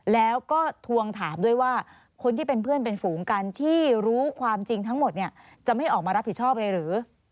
แล้วก็ทวงถามด้วยว่าคนที่เป็นเพื่อนเป็นฝูงกันที่รู้ความจริงทั้งหมดเนี่ยจะไม่ออกมารับผิดชอบเลยหรือ